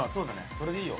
それでいいよ。